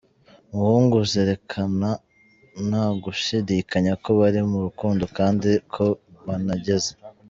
muhungu zerekana ntagushidikanya ko bari mu rukundo kandi ko banageze.